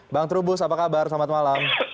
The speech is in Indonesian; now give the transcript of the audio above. bang trubus apa kabar selamat malam